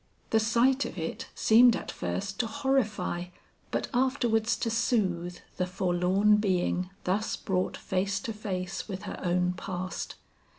The sight of it seemed at first to horrify but afterwards to soothe the forlorn being thus brought face to face with her own past.